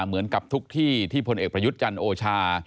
เหมือนกับทุกที่ที่พลเอกประยุทธ์จันทร์โอชา